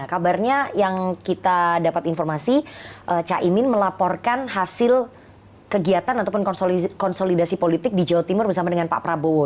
kabarnya yang kita dapat informasi caimin melaporkan hasil kegiatan ataupun konsolidasi politik di jawa timur bersama dengan pak prabowo